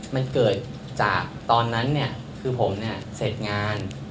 มันเกิดจากตอนนั้นเนี่ยคือผมเนี่ยเสร็จงาน